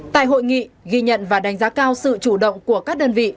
tại hội nghị ghi nhận và đánh giá cao sự chủ động của các đơn vị